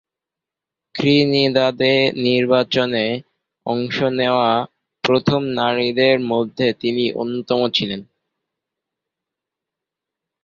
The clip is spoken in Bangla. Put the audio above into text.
ত্রিনিদাদে নির্বাচনে অংশ নেওয়া প্রথম নারীদের মধ্যে তিনি অন্যতম ছিলেন।